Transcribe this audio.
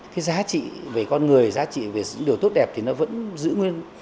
cái giá trị về con người giá trị về điều tốt đẹp thì nó vẫn giữ nguyên